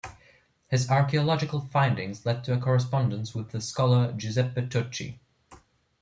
His archaeological findings led to a correspondence with the scholar Giuseppe Tucci.